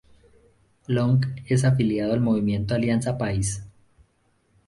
Long es afiliado al movimiento Alianza País.